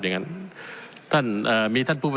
ท่านด้านอีกครับ